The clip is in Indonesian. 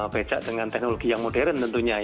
becak dengan teknologi yang modern tentunya